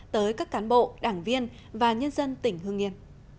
tới các cán bộ đảng viên và nhân dân tỉnh hương yên